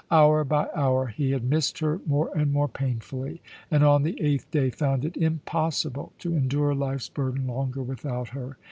Hour by hour he had missed her more and more painfully, and on the eighth day found it impossible to endure life's burden longer without her.